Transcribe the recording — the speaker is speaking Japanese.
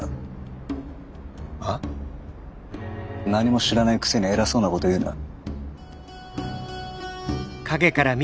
何も知らないくせに偉そうなこと言うな。